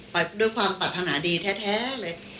ไปด้วยความปรารถนาดีแท้เลย